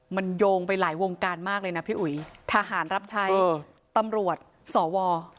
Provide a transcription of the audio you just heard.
มันโยงไปหลายวงการมากเลยนะพี่อุ๋ยทหารรับใช้ตำรวจสว